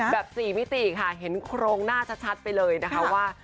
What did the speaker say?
๔มิติค่ะเห็นโครงหน้าชัดไปเลยนะคะว่า